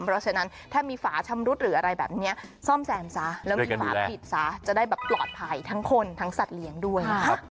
เพราะฉะนั้นถ้ามีฝาชำรุดหรืออะไรแบบนี้ซ่อมแซมซะแล้วมีฝาผิดซะจะได้แบบปลอดภัยทั้งคนทั้งสัตว์เลี้ยงด้วย